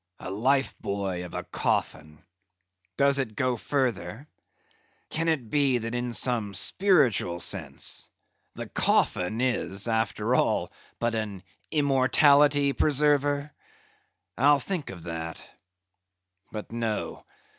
A life buoy of a coffin! Does it go further? Can it be that in some spiritual sense the coffin is, after all, but an immortality preserver! I'll think of that. But no.